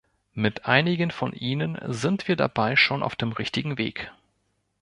Mit einigen von ihnen sind wir dabei schon auf dem richtigen Weg.